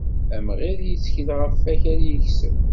Amɣid yettkel ɣef wakal yekseb.